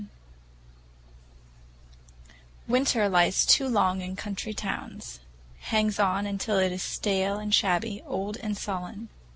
VII WINTER lies too long in country towns; hangs on until it is stale and shabby, old and sullen.